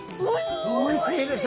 おいしいでしょ！？